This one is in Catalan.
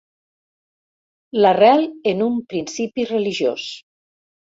L'arrel en un principi religiós.